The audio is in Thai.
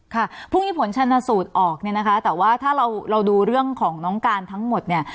ค่ะพรุ่งนี้ผลชนสูตรออกเนี่ยนะคะแต่ว่าถ้าเราดูเรื่องของน้องการทั้งหมดเนี่ย